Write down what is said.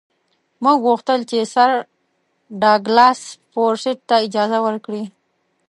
موږ وغوښتل چې سر ډاګلاس فورسیت ته اجازه ورکړي.